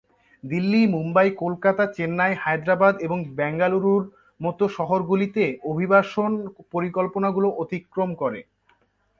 দিল্লি, মুম্বাই, কলকাতা, চেন্নাই, হায়দ্রাবাদ এবং বেঙ্গালুরুর মতো শহরগুলিতে অভিবাসন পরিকল্পনাগুলি অতিক্রম করে।